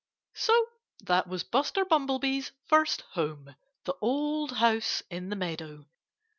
So that was Buster Bumblebee's first home the old house in the meadow.